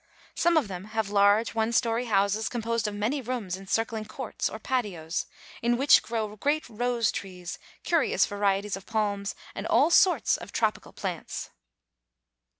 Some of them have large one story houses composed of many rooms encircling courts, or patios, in which grow great rose trees, curious varieties of palms, and all sorts of tropical plants.